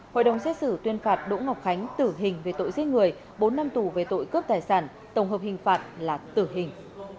hội đồng xét xử tuyên phạt đỗ ngọc khánh tử hình về tội giết người bốn năm tù về tội cướp tài sản tổng hợp hình phạt là tử hình